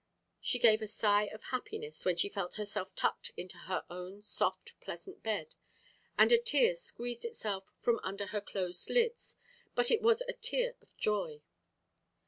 She gave a sigh of happiness when she felt herself tucked into her own soft, pleasant bed, and a tear squeezed itself from under her closed lids, but it was a tear of joy.